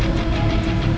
aku akan menang